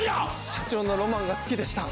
社長のロマンが好きでした。